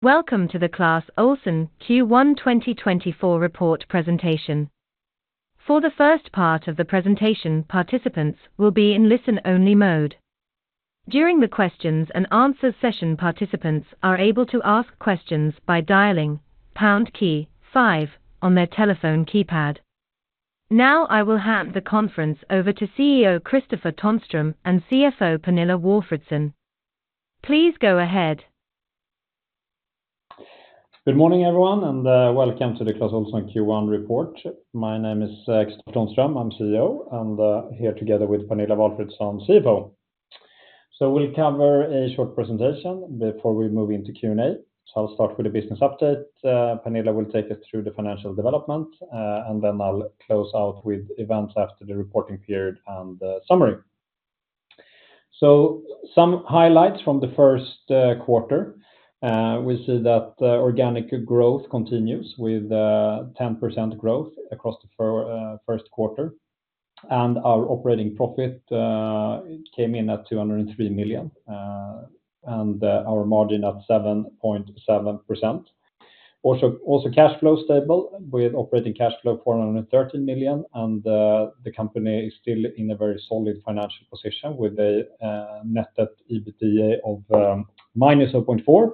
Welcome to the Clas Ohlson Q1 2024 report presentation. For the first part of the presentation, participants will be in listen-only mode. During the questions and answers session, participants are able to ask questions by dialing pound key five on their telephone keypad. Now, I will hand the conference over to CEO Kristofer Tonström and CFO Pernilla Walfridsson. Please go ahead. Good morning, everyone, and welcome to the Clas Ohlson Q1 report. My name is Kristofer Tonström, I'm CEO, and here together with Pernilla Walfridsson, CFO. So we'll cover a short presentation before we move into Q&A. So I'll start with a business update, Pernilla will take us through the financial development, and then I'll close out with events after the reporting period and the summary. So some highlights from the first quarter, we see that organic growth continues with 10% growth across the first quarter, and our operating profit came in at 203 million, and our margin at 7.7%. Cash flow stable, with operating cash flow 413 million, and the company is still in a very solid financial position with a net debt EBITDA of -0.4,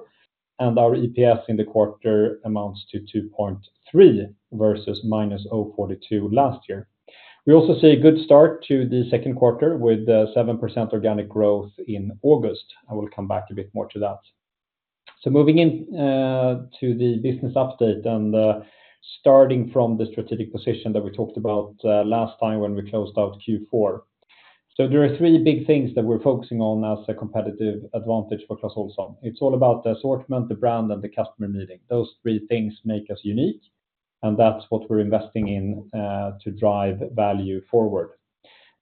and our EPS in the quarter amounts to 2.3 versus -0.2 last year. We also see a good start to the second quarter with 7% organic growth in August. I will come back a bit more to that. Moving in to the business update and starting from the strategic position that we talked about last time when we closed out Q4. There are three big things that we are focusing on as a competitive advantage for Clas Ohlson. It is all about the assortment, the brand, and the customer meeting. Those three things make us unique, and that's what we're investing in, to drive value forward.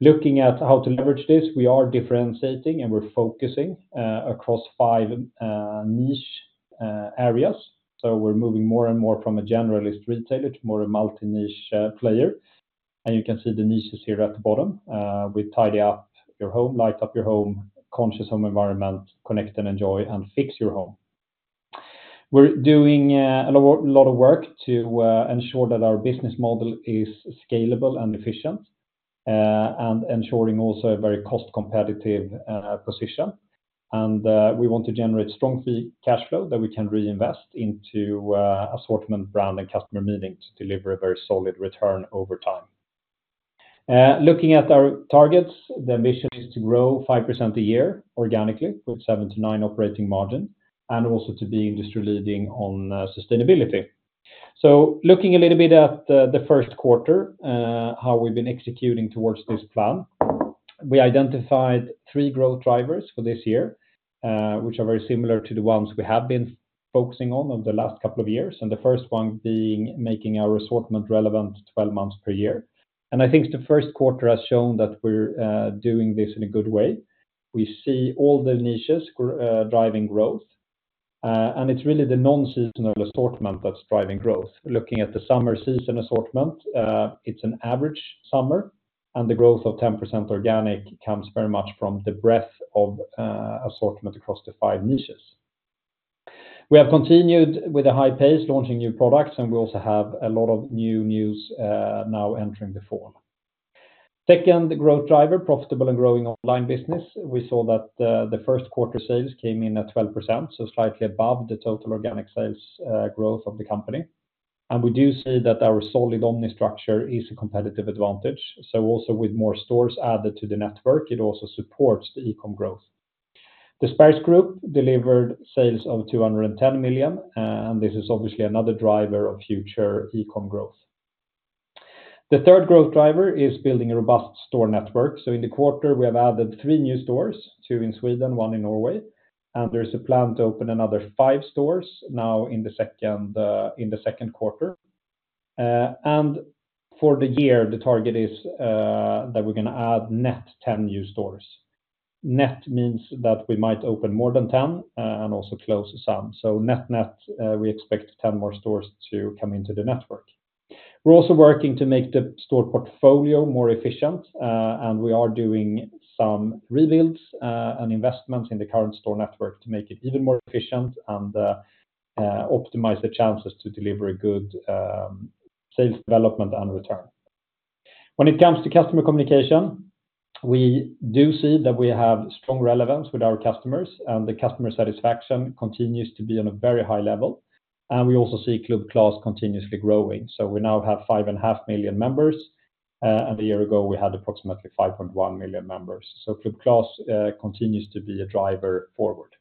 Looking at how to leverage this, we are differentiating, and we're focusing, across five niche areas. So we're moving more and more from a generalist retailer to more a multi-niche player. And you can see the niches here at the bottom. We tidy up your home, light up your home, conscious home environment, connect and enjoy, and fix your home. We're doing a lot of work to ensure that our business model is scalable and efficient, and ensuring also a very cost-competitive position. And we want to generate strong free cash flow that we can reinvest into assortment, brand, and customer meeting to deliver a very solid return over time. Looking at our targets, the ambition is to grow 5% a year organically, with 7-9% operating margin, and also to be industry-leading on sustainability, so looking a little bit at the first quarter, how we've been executing towards this plan. We identified three growth drivers for this year, which are very similar to the ones we have been focusing on over the last couple of years, and the first one being making our assortment relevant 12 months per year, and I think the first quarter has shown that we're doing this in a good way. We see all the niches driving growth, and it's really the non-seasonal assortment that's driving growth. Looking at the summer season assortment, it's an average summer, and the growth of 10% organic comes very much from the breadth of assortment across the five niches. We have continued with a high pace, launching new products, and we also have a lot of new news now entering the fall. Second, the growth driver, profitable and growing online business. We saw that the first quarter sales came in at 12%, so slightly above the total organic sales growth of the company. And we do see that our solid omni structure is a competitive advantage, so also with more stores added to the network, it also supports the e-com growth. The Spares Group delivered sales of 210 million, and this is obviously another driver of future e-com growth. The third growth driver is building a robust store network. So in the quarter, we have added three new stores, two in Sweden, one in Norway, and there is a plan to open another five stores now in the second quarter. And for the year, the target is that we're gonna add net ten new stores. Net means that we might open more than ten, and also close some. So net, we expect ten more stores to come into the network. We're also working to make the store portfolio more efficient, and we are doing some rebuilds, and investments in the current store network to make it even more efficient and optimize the chances to deliver a good sales development and return. When it comes to customer communication, we do see that we have strong relevance with our customers, and the customer satisfaction continues to be on a very high level, and we also see Club Clas continuously growing. We now have 5.5 million members, and a year ago, we had approximately 5.1 million members. Club Clas continues to be a driver forward.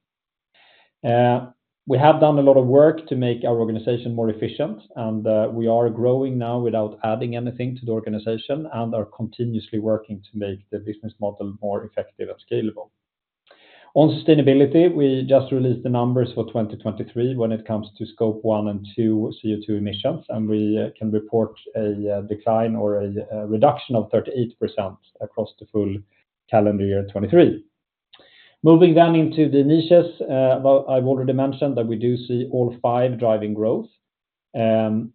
We have done a lot of work to make our organization more efficient, and we are growing now without adding anything to the organization and are continuously working to make the business model more effective and scalable. On sustainability, we just released the numbers for 2023 when it comes to Scope 1 and 2 CO2 emissions, and we can report a decline or a reduction of 38% across the full calendar year 2023. Moving down into the niches, well, I've already mentioned that we do see all five driving growth, and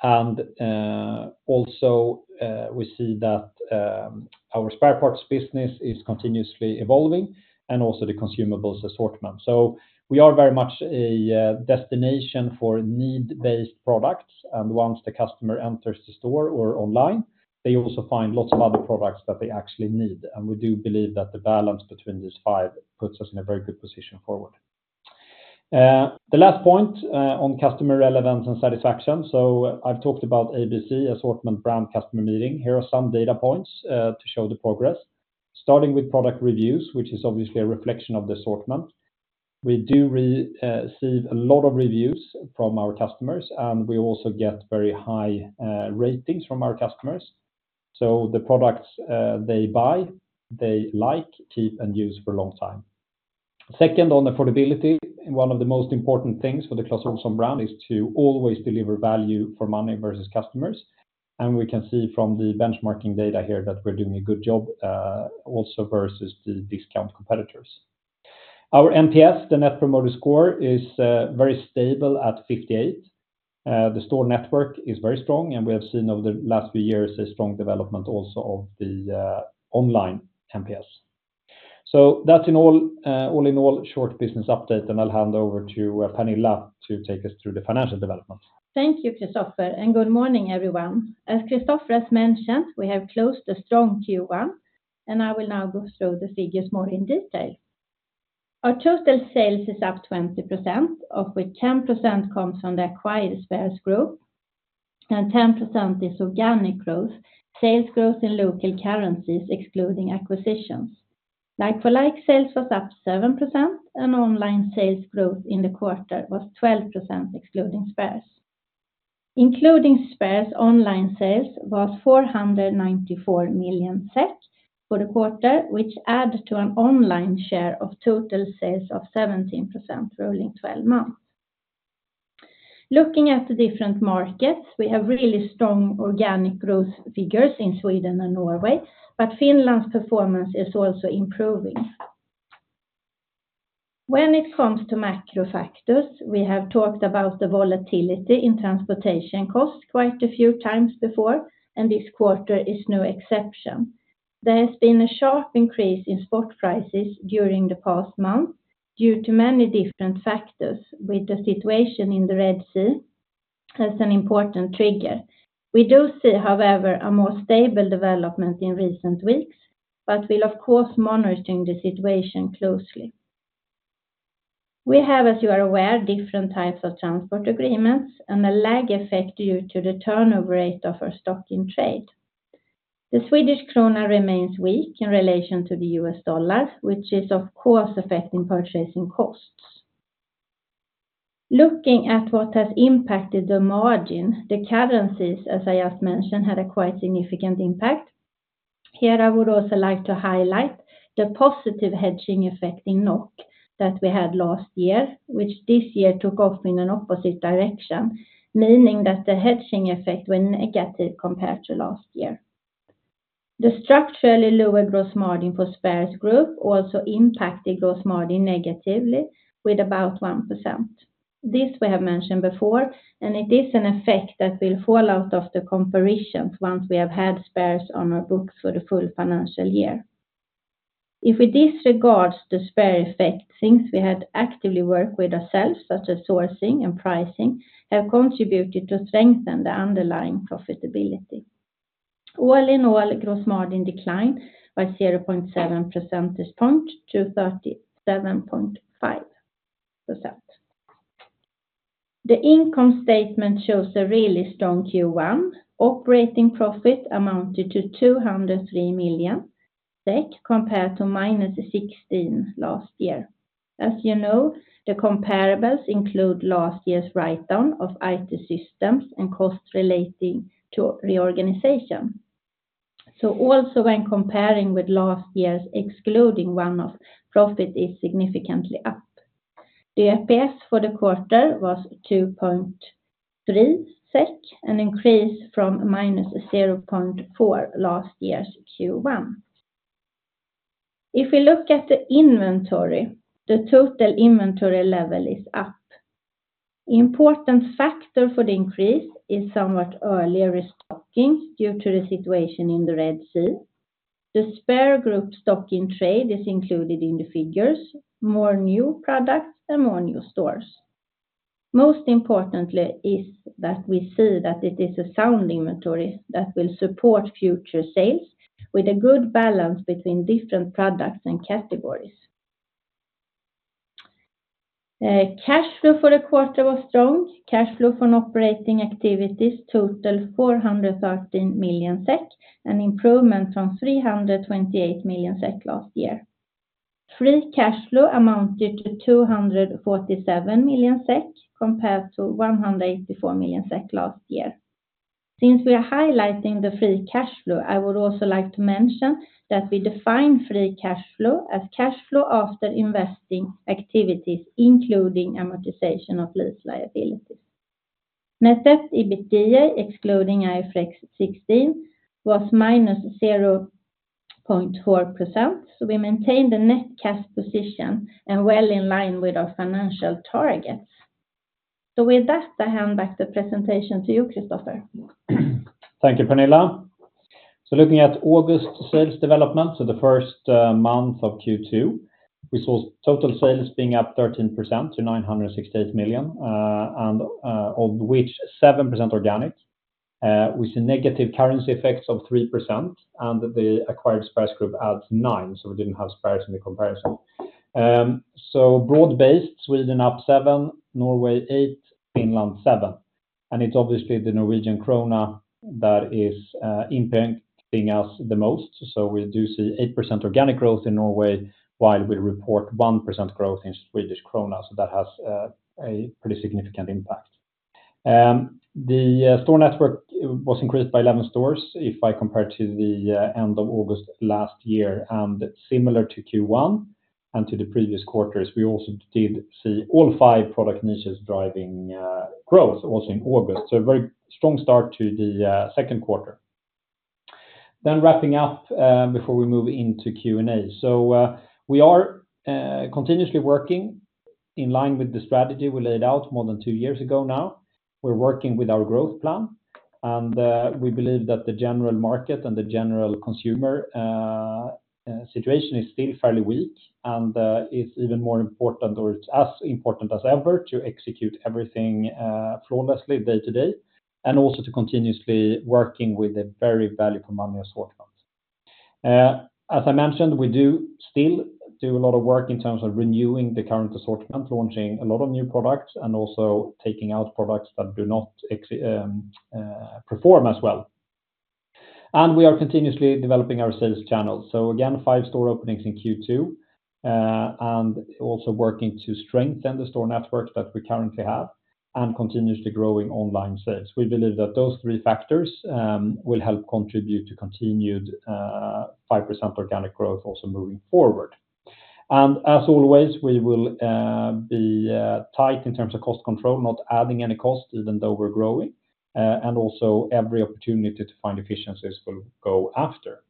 also we see that our spare parts business is continuously evolving and also the consumables assortment. So we are very much a destination for need-based products, and once the customer enters the store or online, they also find lots of other products that they actually need, and we do believe that the balance between these five puts us in a very good position forward. The last point on customer relevance and satisfaction. So I've talked about ABC, Assortment, Brand, Customer Meeting. Here are some data points to show the progress, starting with product reviews, which is obviously a reflection of the assortment. We do receive a lot of reviews from our customers, and we also get very high ratings from our customers. So the products they buy, they like, keep, and use for a long time. Second, on affordability, one of the most important things for the Clas Ohlson brand is to always deliver value for money versus customers. And we can see from the benchmarking data here that we're doing a good job also versus the discount competitors. Our NPS, the Net Promoter Score, is very stable at fifty-eight. The store network is very strong, and we have seen over the last few years a strong development also of the online NPS. So that in all, all in all, short business update, and I'll hand over to Pernilla to take us through the financial development. Thank you, Kristofer, and good morning, everyone. As Kristofer has mentioned, we have closed a strong Q1, and I will now go through the figures more in detail. Our total sales is up 20%, of which 10% comes from the acquired Spares Group, and 10% is organic growth, sales growth in local currencies, excluding acquisitions. Like-for-like sales was up 7%, and online sales growth in the quarter was 12%, excluding Spares. Including Spares, online sales was 494 million SEK for the quarter, which add to an online share of total sales of 17% rolling twelve month. Looking at the different markets, we have really strong organic growth figures in Sweden and Norway, but Finland's performance is also improving. When it comes to macro factors, we have talked about the volatility in transportation costs quite a few times before, and this quarter is no exception. There has been a sharp increase in spot prices during the past month due to many different factors, with the situation in the Red Sea as an important trigger. We do see, however, a more stable development in recent weeks, but we'll, of course, monitoring the situation closely. We have, as you are aware, different types of transport agreements and a lag effect due to the turnover rate of our stock in trade. The Swedish krona remains weak in relation to the US dollar, which is, of course, affecting purchasing costs. Looking at what has impacted the margin, the currencies, as I just mentioned, had a quite significant impact. Here, I would also like to highlight the positive hedging effect in NOK that we had last year, which this year took off in an opposite direction, meaning that the hedging effect went negative compared to last year. The structurally lower gross margin for Spares Group also impacted gross margin negatively with about 1%. This we have mentioned before, and it is an effect that will fall out of the comparisons once we have had Spares on our books for the full financial year. If we disregard the Spares effect, things we had actively worked with ourselves, such as sourcing and pricing, have contributed to strengthen the underlying profitability. All in all, gross margin declined by 0.7 percentage points to 37.5%. The income statement shows a really strong Q1. Operating profit amounted to 203 million SEK, compared to -16 million SEK last year. As you know, the comparables include last year's write-down of IT systems and costs relating to reorganization. So also when comparing with last year's excluding one-off, profit is significantly up. The EPS for the quarter was 2.3 SEK, an increase from -0.4 SEK last year's Q1. If we look at the inventory, the total inventory level is up. The important factor for the increase is somewhat earlier restocking due to the situation in the Red Sea. The Spares Group stock in trade is included in the figures, more new products and more new stores. Most importantly is that we see that it is a sound inventory that will support future sales with a good balance between different products and categories. Cash flow for the quarter was strong. Cash flow from operating activities totaled 413 million SEK, an improvement from 328 million SEK last year. Free cash flow amounted to 247 million SEK, compared to 184 million SEK last year. Since we are highlighting the free cash flow, I would also like to mention that we define free cash flow as cash flow after investing activities, including amortization of lease liabilities. Net debt, EBITDA, excluding IFRS 16, was minus zero point four%. So we maintain the net cash position and well in line with our financial targets. So with that, I hand back the presentation to you, Kristofer. Thank you, Pernilla. So looking at August sales development, so the first month of Q2, we saw total sales being up 13% to 968 million, and of which 7% organic, with the negative currency effects of 3%, and the acquired Spares Group adds 9, so we didn't have spares in the comparison. So broad-based, Sweden up 7, Norway 8, Finland 7. And it's obviously the Norwegian krona that is impacting us the most. So we do see 8% organic growth in Norway, while we report 1% growth in Swedish krona. So that has a pretty significant impact. The store network was increased by eleven stores, if I compare to the end of August last year, and similar to Q1 and to the previous quarters, we also did see all five product niches driving growth also in August. So a very strong start to the second quarter. Then wrapping up, before we move into Q&A. We are continuously working in line with the strategy we laid out more than two years ago now. We're working with our growth plan, and we believe that the general market and the general consumer situation is still fairly weak and is even more important, or it's as important as ever to execute everything flawlessly day to day, and also to continuously working with a very value-for-money assortment. As I mentioned, we do still do a lot of work in terms of renewing the current assortment, launching a lot of new products and also taking out products that do not perform as well. And we are continuously developing our sales channels. So again, five store openings in Q2, and also working to strengthen the store network that we currently have and continuously growing online sales. We believe that those three factors will help contribute to continued 5% organic growth also moving forward. And as always, we will be tight in terms of cost control, not adding any cost even though we're growing, and also every opportunity to find efficiencies will go after.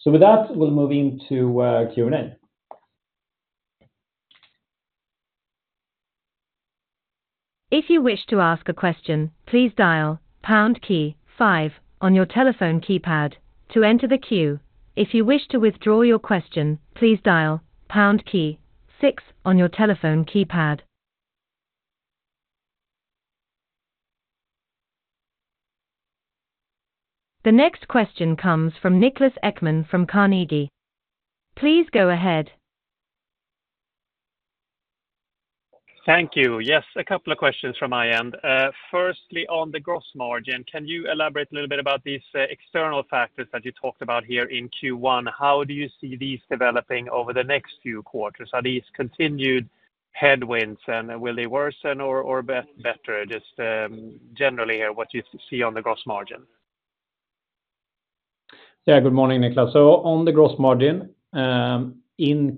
So with that, we'll move into Q&A. If you wish to ask a question, please dial pound key five on your telephone keypad to enter the queue. If you wish to withdraw your question, please dial pound key six on your telephone keypad. The next question comes from Niklas Ekman from Carnegie. Please go ahead. Thank you. Yes, a couple of questions from my end. Firstly, on the gross margin, can you elaborate a little bit about these external factors that you talked about here in Q1? How do you see these developing over the next few quarters? Are these continued headwinds, and will they worsen or be better? Just generally, what you see on the gross margin. Yeah, good morning, Niklas. So on the gross margin, in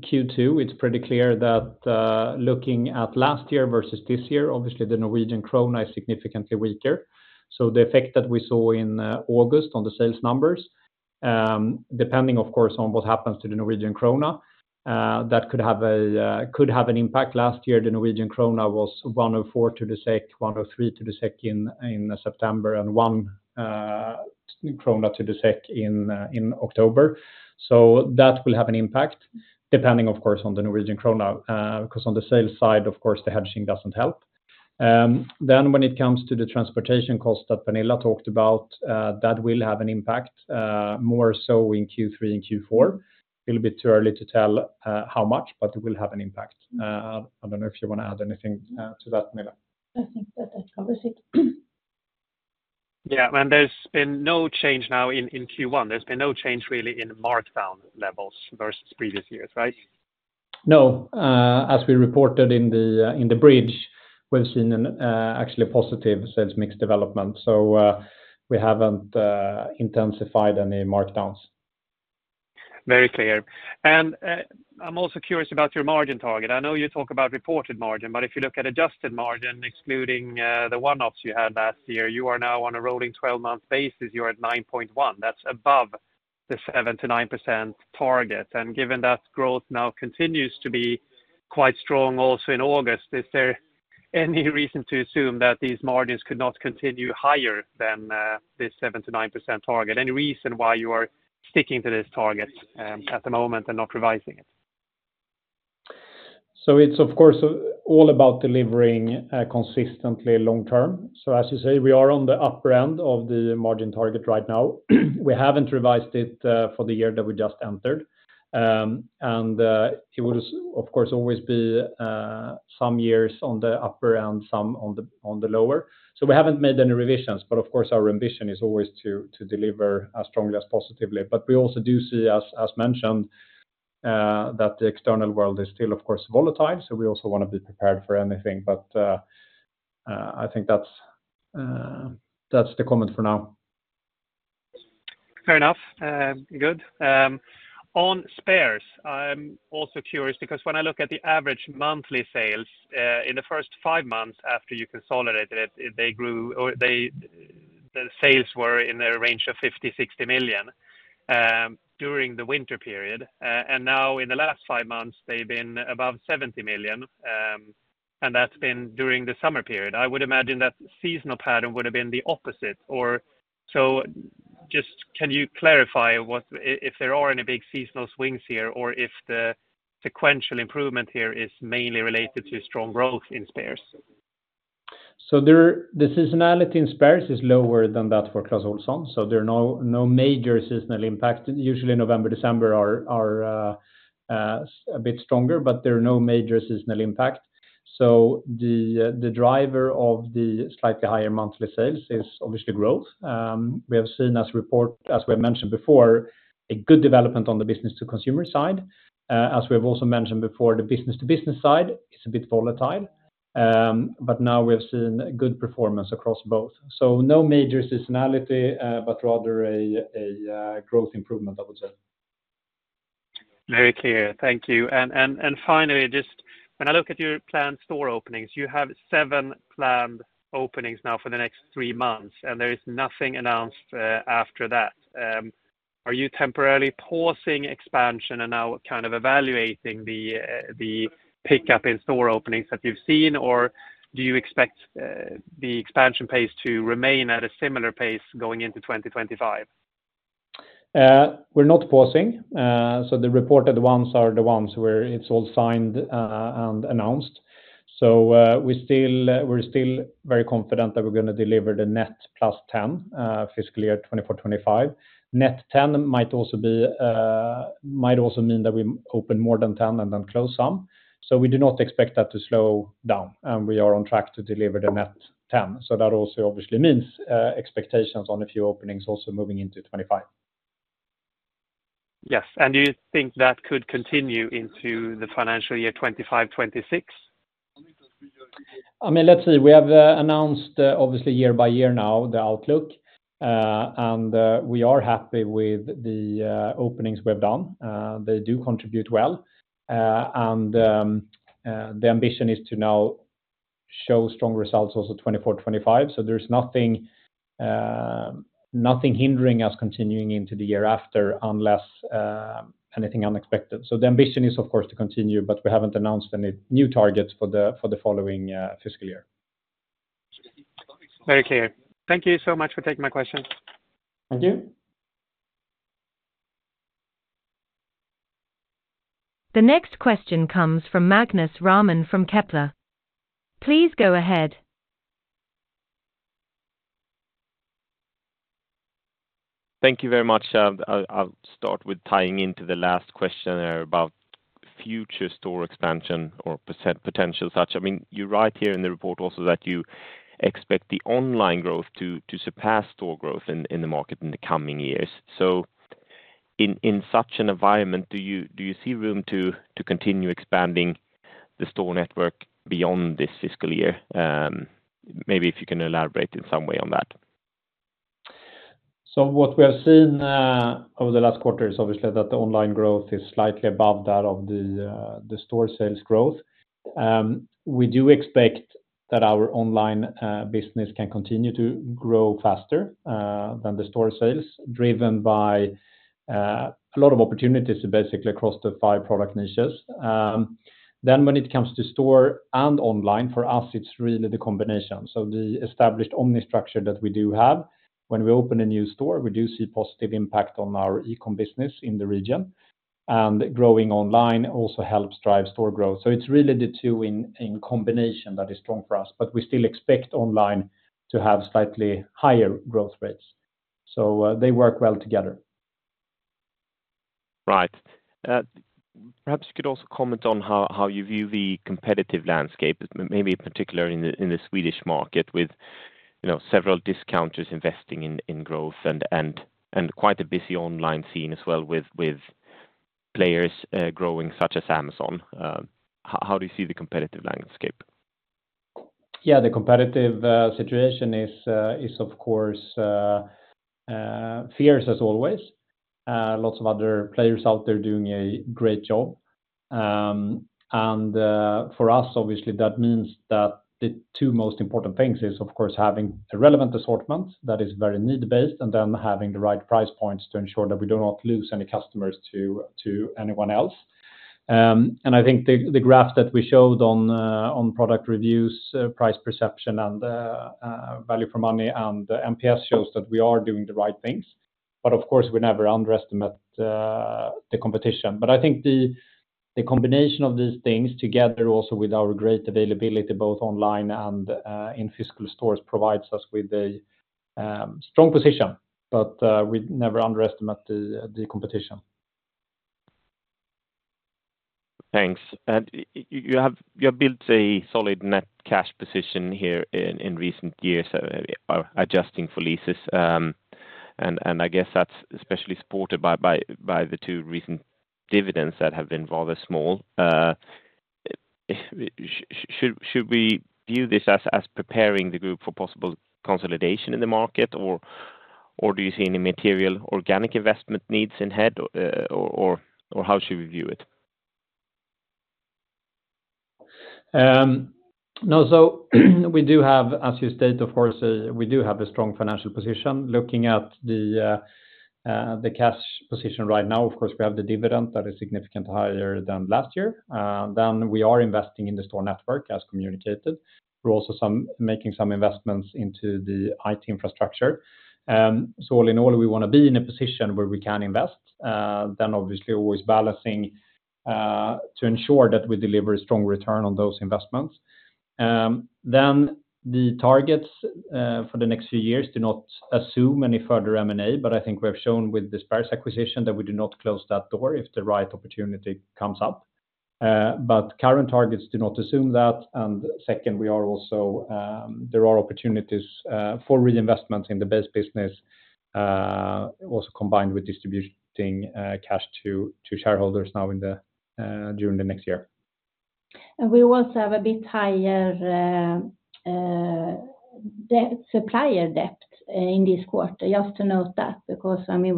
Q2, it's pretty clear that, looking at last year versus this year, obviously, the Norwegian krona is significantly weaker. So the effect that we saw in August on the sales numbers, depending, of course, on what happens to the Norwegian krona, that could have an impact. Last year, the Norwegian krona was one to four to the SEK, one to three to the SEK in September and one krona to the SEK in October. So that will have an impact, depending, of course, on the Norwegian krona, because on the sales side, of course, the hedging doesn't help. Then when it comes to the transportation cost that Pernilla talked about, that will have an impact, more so in Q3 and Q4. It'll be too early to tell how much, but it will have an impact. I don't know if you want to add anything to that, Pernilla? I think that that covers it. Yeah, and there's been no change now in, in Q1. There's been no change really in markdown levels versus previous years, right? No. As we reported in the bridge, we've seen an actually positive sales mix development, so we haven't intensified any markdowns. Very clear. And, I'm also curious about your margin target. I know you talk about reported margin, but if you look at adjusted margin, excluding the one-offs you had last year, you are now on a rolling 12-month basis, you're at 9.1. That's above the 7%-9% target. And given that growth now continues to be quite strong also in August, is there any reason to assume that these margins could not continue higher than this 7%-9% target? Any reason why you are sticking to this target at the moment and not revising it? So it's, of course, all about delivering consistently long term. So as you say, we are on the upper end of the margin target right now. We haven't revised it for the year that we just entered. And it will, of course, always be some years on the upper end, some on the lower. So we haven't made any revisions, but of course, our ambition is always to deliver as strongly as positively. But we also do see, as mentioned, that the external world is still, of course, volatile, so we also want to be prepared for anything. But I think that's the comment for now. Fair enough, good. On Spares, I'm also curious, because when I look at the average monthly sales in the first five months after you consolidated it, they grew the sales were in the range of 50 million-60 million during the winter period. And now in the last five months, they've been above 70 million, and that's been during the summer period. I would imagine that seasonal pattern would have been the opposite or so. Just can you clarify what, if there are any big seasonal swings here, or if the sequential improvement here is mainly related to strong growth in Spares? So there, the seasonality in spares is lower than that for Clas Ohlson, so there are no major seasonal impact. Usually, November, December are a bit stronger, but there are no major seasonal impact. So the driver of the slightly higher monthly sales is obviously growth. We have seen, as reported, as we mentioned before, a good development on the business to consumer side. As we have also mentioned before, the business to business side is a bit volatile, but now we have seen good performance across both. So no major seasonality, but rather a growth improvement, I would say. Very clear. Thank you. And finally, just when I look at your planned store openings, you have seven planned openings now for the next three months, and there is nothing announced after that. Are you temporarily pausing expansion and now kind of evaluating the pickup in store openings that you've seen, or do you expect the expansion pace to remain at a similar pace going into twenty twenty-five? We're not pausing. So the reported ones are the ones where it's all signed and announced. We're still very confident that we're gonna deliver the net plus ten fiscal year 2024, 2025. Net ten might also mean that we open more than ten and then close some. We do not expect that to slow down, and we are on track to deliver the net ten. That also obviously means expectations on a few openings also moving into 2025. Yes. And do you think that could continue into the financial year 2025, 2026? I mean, let's see. We have announced, obviously, year by year now, the outlook, and we are happy with the openings we've done. They do contribute well. And the ambition is to now show strong results also 2024, 2025. So there's nothing, nothing hindering us continuing into the year after, unless anything unexpected. So the ambition is, of course, to continue, but we haven't announced any new targets for the following fiscal year. Very clear. Thank you so much for taking my question. Thank you. The next question comes from Magnus Råman from Kepler. Please go ahead. Thank you very much. I'll start with tying into the last question there about future store expansion or potential such. I mean, you write here in the report also that you expect the online growth to surpass store growth in the market in the coming years. So in such an environment, do you see room to continue expanding the store network beyond this fiscal year? Maybe if you can elaborate in some way on that. So what we have seen over the last quarter is obviously that the online growth is slightly above that of the store sales growth. We do expect that our online business can continue to grow faster than the store sales, driven by a lot of opportunities to basically across the five product niches. Then when it comes to store and online, for us, it's really the combination. So the established omni structure that we do have, when we open a new store, we do see positive impact on our e-com business in the region, and growing online also helps drive store growth. So it's really the two in combination that is strong for us, but we still expect online to have slightly higher growth rates. So they work well together. Right. Perhaps you could also comment on how you view the competitive landscape, maybe in particular in the Swedish market, with, you know, several discounters investing in growth and quite a busy online scene as well with players growing, such as Amazon. How do you see the competitive landscape? Yeah, the competitive situation is, of course, fierce as always. Lots of other players out there doing a great job. And, for us, obviously, that means that the two most important things is, of course, having a relevant assortment that is very need-based, and then having the right price points to ensure that we do not lose any customers to anyone else. And I think the graph that we showed on product reviews, price perception, and value for money, and the NPS shows that we are doing the right things. But of course, we never underestimate the competition. But I think the combination of these things together, also with our great availability, both online and in physical stores, provides us with a strong position, but we never underestimate the competition. Thanks. And you have built a solid net cash position here in recent years, adjusting for leases. And I guess that's especially supported by the two recent dividends that have been rather small. Should we view this as preparing the group for possible consolidation in the market? Or do you see any material organic investment needs ahead, or how should we view it? No, so we do have, as you stated, of course, we do have a strong financial position. Looking at the cash position right now, of course, we have the dividend that is significantly higher than last year, then we are investing in the store network as communicated. We're also making some investments into the IT infrastructure, so all in all, we wanna be in a position where we can invest, then obviously always balancing to ensure that we deliver a strong return on those investments, then the targets for the next few years do not assume any further M&A, but I think we have shown with the Spares acquisition that we do not close that door if the right opportunity comes up, but current targets do not assume that. And second, we are also there are opportunities for reinvestment in the base business, also combined with distributing cash to shareholders now in the during the next year. And we also have a bit higher debt, supplier debt, in this quarter. You have to note that because, I mean,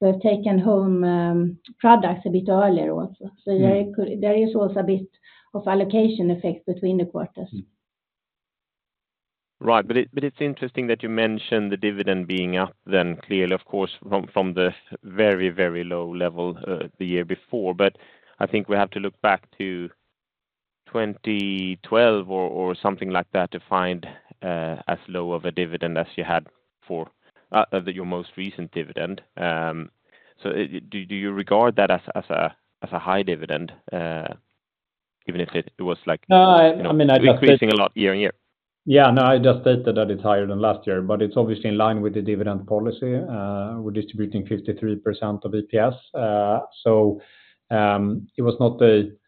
we've taken home products a bit earlier also. So there is also a bit of allocation effect between the quarters. Right. But it's interesting that you mentioned the dividend being up then clearly, of course, from the very, very low level the year before. But I think we have to look back to twenty twelve or something like that to find as low of a dividend as you had for your most recent dividend. So do you regard that as a high dividend even if it was like- I mean, I just- Increasing a lot year on year? Yeah, no, I just stated that it's higher than last year, but it's obviously in line with the dividend policy. We're distributing 53% of EPS. So, it was not the...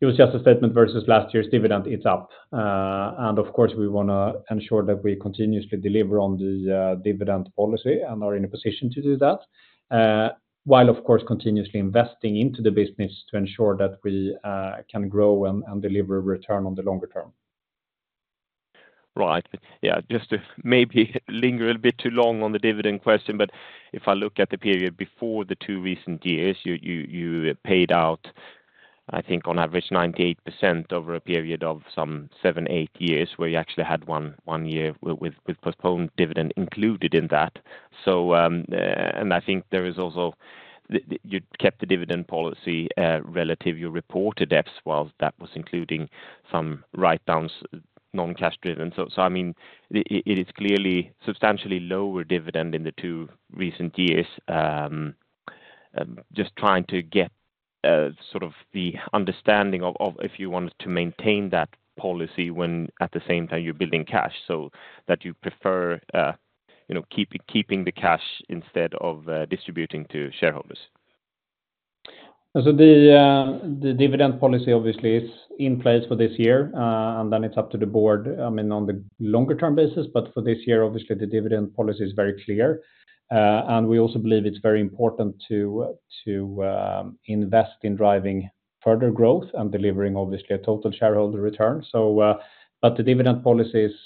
It was just a statement versus last year's dividend, it's up. And of course, we wanna ensure that we continuously deliver on the dividend policy and are in a position to do that, while, of course, continuously investing into the business to ensure that we can grow and deliver a return on the longer term. Right. Yeah, just to maybe linger a little bit too long on the dividend question, but if I look at the period before the two recent years, you paid out, I think, on average, 98% over a period of some seven, eight years, where you actually had one year with postponed dividend included in that. So, and I think there is also you kept the dividend policy relative to your reported EPS, while that was including some write-downs, non-cash driven. So, I mean, it is clearly substantially lower dividend in the two recent years. Just trying to get sort of the understanding of if you wanted to maintain that policy when at the same time you're building cash, so that you prefer, you know, keeping the cash instead of distributing to shareholders. So the dividend policy obviously is in place for this year, and then it's up to the board, I mean, on the longer term basis. But for this year, obviously, the dividend policy is very clear. And we also believe it's very important to invest in driving further growth and delivering obviously a total shareholder return. But the dividend policy is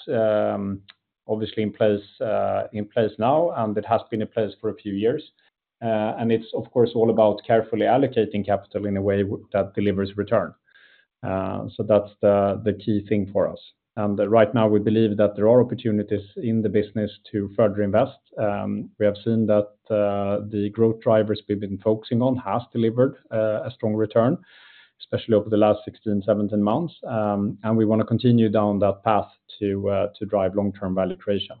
obviously in place now, and it has been in place for a few years. And it's, of course, all about carefully allocating capital in a way that delivers return. So that's the key thing for us. And right now, we believe that there are opportunities in the business to further invest. We have seen that the growth drivers we've been focusing on has delivered a strong return, especially over the last sixteen, seventeen months, and we wanna continue down that path to drive long-term value creation.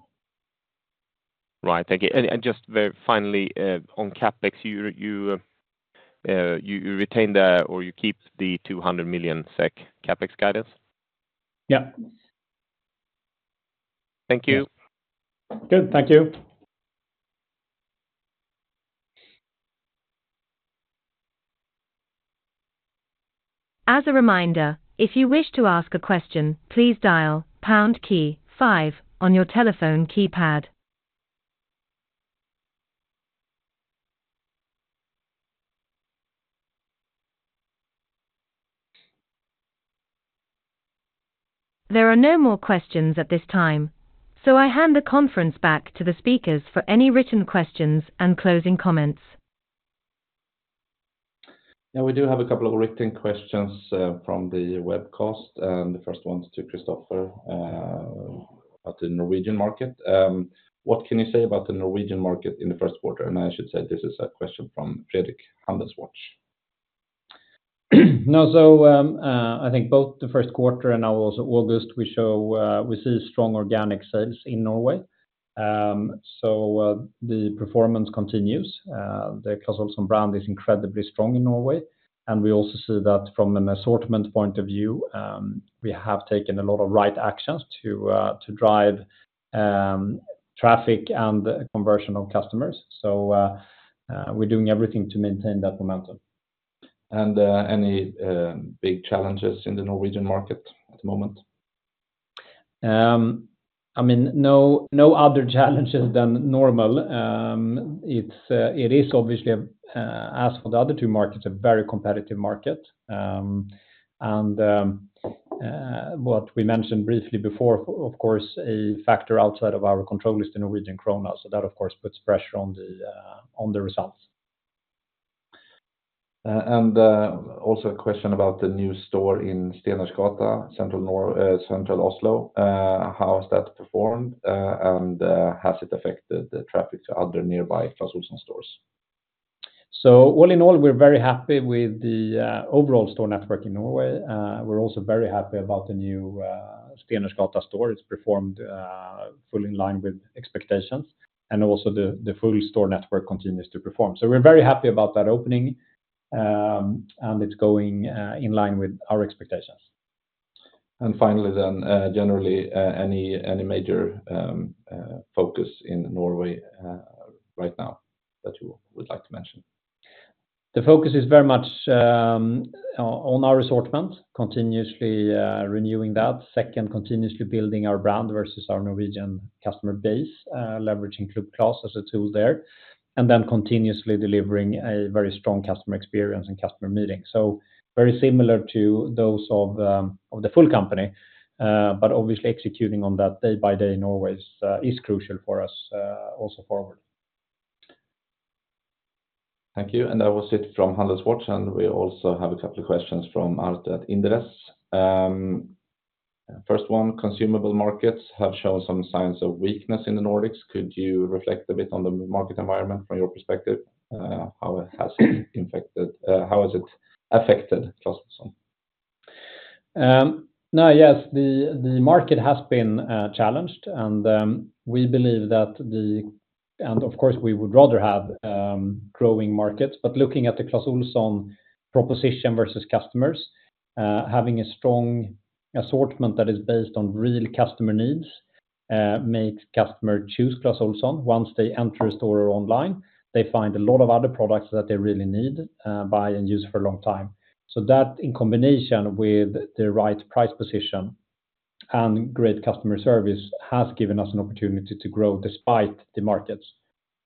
Right. Thank you. And just very finally, on CapEx, you retain the or you keep the 200 million SEK CapEx guidance? Yeah. Thank you. Good. Thank you. As a reminder, if you wish to ask a question, please dial pound key five on your telephone keypad. There are no more questions at this time, so I hand the conference back to the speakers for any written questions and closing comments. Yeah, we do have a couple of written questions from the webcast, and the first one is to Kristofer about the Norwegian market. What can you say about the Norwegian market in the first quarter? And I should say this is a question from Fredrik, HandelsWatch. Now, I think both the first quarter and now also August, we see strong organic sales in Norway. The performance continues. The Clas Ohlson brand is incredibly strong in Norway, and we also see that from an assortment point of view, we have taken a lot of right actions to drive traffic and conversion of customers. We're doing everything to maintain that momentum. Any big challenges in the Norwegian market at the moment?... I mean, no, no other challenges than normal. It is obviously, as for the other two markets, a very competitive market. What we mentioned briefly before, of course, a factor outside of our control is the Norwegian kroner. So that, of course, puts pressure on the results. And also a question about the new store in Stenersgata, central Oslo. How has that performed, and has it affected the traffic to other nearby Clas Ohlson stores? So all in all, we're very happy with the overall store network in Norway. We're also very happy about the new Stenersgata store. It's performed fully in line with expectations, and also the full store network continues to perform. So we're very happy about that opening, and it's going in line with our expectations. And finally, then, generally, any major focus in Norway right now that you would like to mention? The focus is very much on our assortment, continuously renewing that. Second, continuously building our brand versus our Norwegian customer base, leveraging Group Clas as a tool there, and then continuously delivering a very strong customer experience and customer meeting. So very similar to those of the full company, but obviously executing on that day by day in Norway is crucial for us, also forward. Thank you. And that was it from HandelsWatch, and we also have a couple of questions from Arttu at Inderes. First one, consumable markets have shown some signs of weakness in the Nordics. Could you reflect a bit on the market environment from your perspective? How it has impacted, how has it affected Clas Ohlson? Now, yes, the market has been challenged, and we believe. And of course, we would rather have growing markets, but looking at the Clas Ohlson proposition versus customers, having a strong assortment that is based on real customer needs makes customers choose Clas Ohlson. Once they enter a store or online, they find a lot of other products that they really need, buy and use for a long time. So that, in combination with the right price position and great customer service, has given us an opportunity to grow despite the markets.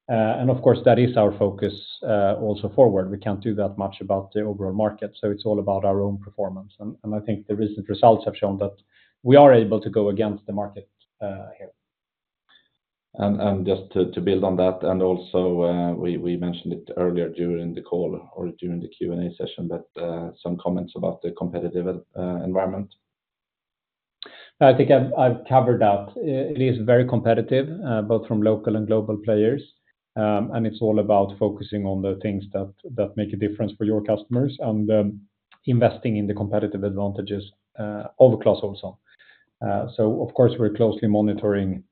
And of course, that is our focus also forward. We can't do that much about the overall market, so it's all about our own performance. And I think the recent results have shown that we are able to go against the market here. Just to build on that, and also, we mentioned it earlier during the call or during the Q&A session, but some comments about the competitive environment? I think I've covered that. It is very competitive, both from local and global players, and it's all about focusing on the things that make a difference for your customers, and investing in the competitive advantages of Clas Ohlson. So of course, we're closely monitoring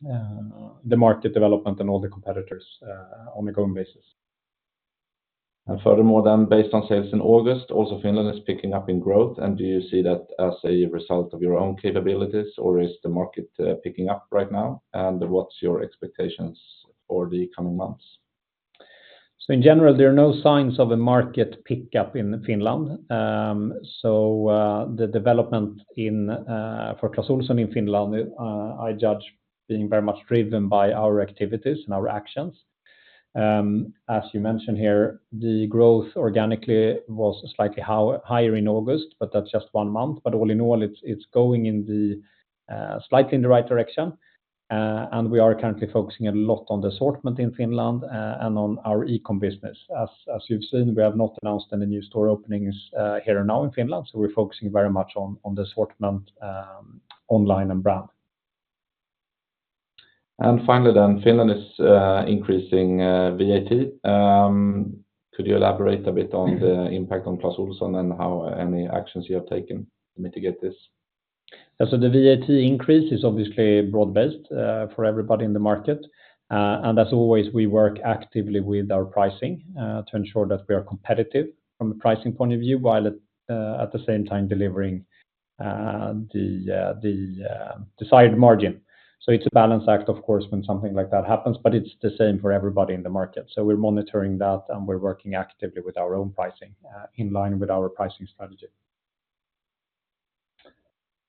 the market development and all the competitors on an ongoing basis. Furthermore, then, based on sales in August, also Finland is picking up in growth. Do you see that as a result of your own capabilities, or is the market picking up right now? What's your expectations for the coming months? So in general, there are no signs of a market pickup in Finland. The development in for Clas Ohlson in Finland I judge being very much driven by our activities and our actions. As you mentioned here, the growth organically was slightly higher in August, but that's just one month. But all in all, it's going slightly in the right direction and we are currently focusing a lot on the assortment in Finland and on our e-com business. As you've seen, we have not announced any new store openings here and now in Finland, so we're focusing very much on the assortment online and brand. Finally, then, Finland is increasing VAT. Could you elaborate a bit on the impact on Clas Ohlson and how any actions you have taken to mitigate this? Yeah, so the VAT increase is obviously broad-based for everybody in the market. And as always, we work actively with our pricing to ensure that we are competitive from a pricing point of view, while at the same time delivering the desired margin. So it's a balance act, of course, when something like that happens, but it's the same for everybody in the market. So we're monitoring that, and we're working actively with our own pricing in line with our pricing strategy.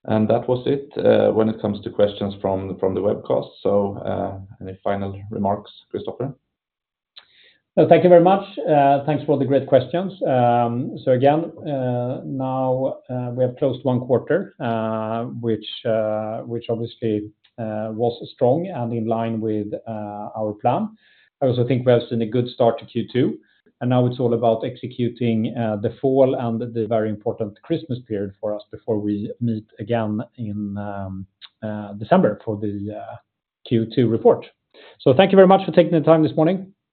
And that was it, when it comes to questions from the webcast. So, any final remarks, Kristofer? Thank you very much. Thanks for the great questions. So again, now we have closed one quarter, which obviously was strong and in line with our plan. I also think we have seen a good start to Q2, and now it's all about executing the fall and the very important Christmas period for us before we meet again in December for the Q2 report. So thank you very much for taking the time this morning.